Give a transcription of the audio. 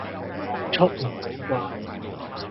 網速唔好啩